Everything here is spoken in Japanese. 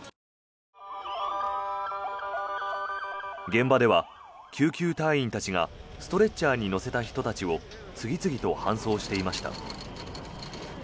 現場では救急隊員たちがストレッチャーに乗せた人たちを次々と搬送していました。